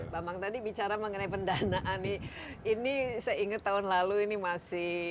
bambang tadi bicara mengenai pendanaan nih ini saya ingat tahun lalu ini masih